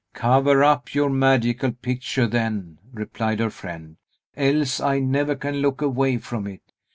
"Cover up your magical picture, then," replied her friend, "else I never can look away from it.